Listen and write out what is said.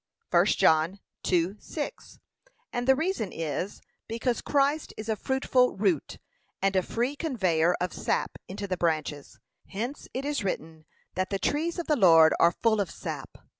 (1 John 2:6) And the reason is, because Christ is a fruitful root, and a free conveyer of sap into the branches; hence it is written, that 'the trees of the Lord are full of sap.'